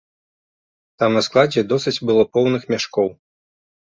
Там на складзе досыць было поўных мяшкоў.